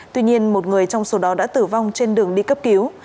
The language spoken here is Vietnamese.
tuy nhiên một người trong số đó đã tử vong trên đường đi cấp cứu